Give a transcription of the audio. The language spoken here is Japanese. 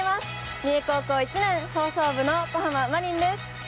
三重高校１年、放送部の小濱まりんです。